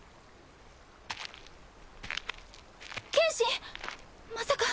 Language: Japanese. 剣心まさか。